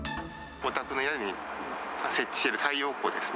お宅の屋根に設置している太陽光ですね。